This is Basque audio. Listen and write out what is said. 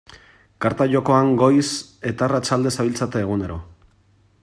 Karta jokoan goiz eta arratsalde zabiltzate egunero.